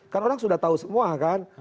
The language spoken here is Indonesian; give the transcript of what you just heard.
kan orang sudah tahu semua kan